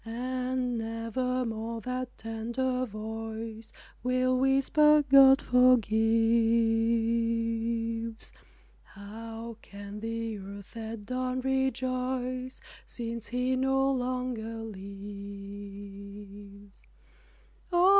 And nevermore that tender voice Will whisper "God forgives;" How can the earth at dawn rejoice Since He no longer lives?